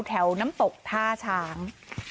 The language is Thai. แถวน้ำตกท่าช้าง